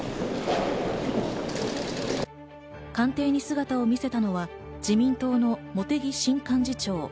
官邸に姿を見せたのは自民党の茂木新幹事長。